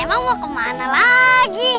emang mau kemana lagi